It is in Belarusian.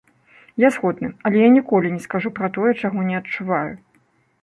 Я згодны, але я ніколі не скажу пра тое, чаго не адчуваю.